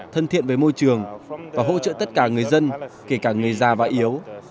thân thiện với môi trường và hỗ trợ tất cả người dân kể cả người già và yếu